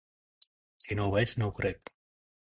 Si no ho veig, no ho crec.